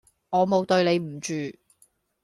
我冇對你唔住